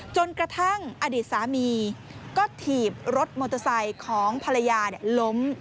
จนกระทั่งอดีตสามีก็ถีบรถมอเตอร์ไซค์ของภรรยาล้ม